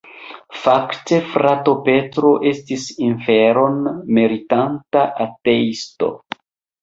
Fakte frato Petro estis inferon meritanta ateisto.